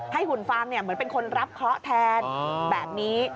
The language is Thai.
หุ่นฟางเหมือนเป็นคนรับเคราะห์แทนแบบนี้